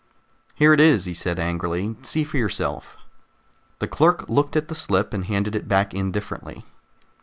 "Here it is," he said angrily. "See for yourself." The clerk looked at the slip and handed it back indifferently.